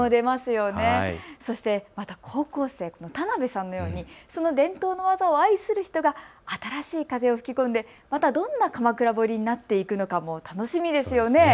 そしてまた高校生の田邊さんのように伝統の技を愛する人が新しい風を吹き込んで、どんな鎌倉彫になっていくのかも楽しみですよね。